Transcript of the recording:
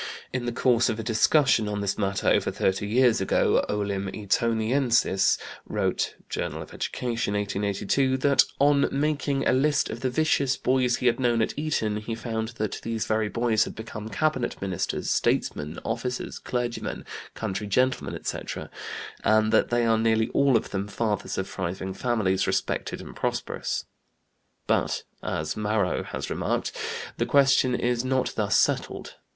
In the course of a discussion on this matter over thirty years ago, "Olim Etoniensis" wrote (Journal of Education, 1882, p. 85) that, on making a list of the vicious boys he had known at Eton, he found that "these very boys had become cabinet ministers, statesmen, officers, clergymen, country gentlemen, etc., and that they are nearly all of them fathers of thriving families, respected and prosperous." But, as Marro has remarked, the question is not thus settled.